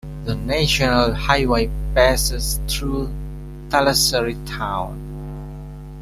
The national highway passes through Thalassery town.